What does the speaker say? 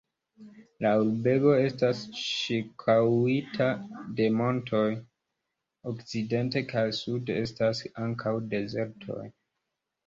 La urbego estas ĉirkaŭita de montoj, okcidente kaj sude estas ankaŭ dezertoj.